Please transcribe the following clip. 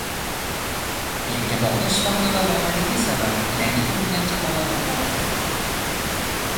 Yakkabog‘da shifokorlar loqaydligi sabab yangi tug‘ilgan chaqaloq vafot etdimi?